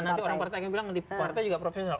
karena nanti orang partai bilang di partai juga professional